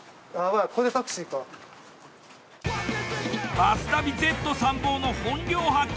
「バス旅Ｚ」参謀の本領発揮。